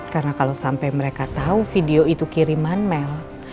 karena kalau sampai mereka tahu video itu kiriman mel